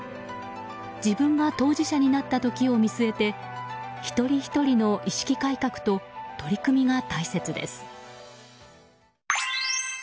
自分が当事者になった時を見据えて一人ひとりの意識改革と取り組みが大切です。